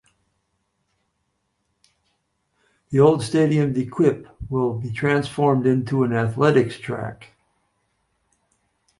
The old stadium 'De Kuip' will be transformed into an athletics track.